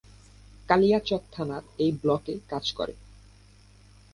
কালিয়াচক থানার এই ব্লকে কাজ করে।